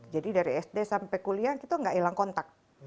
jadi dari sd sampai kuliah kita nggak hilang kontak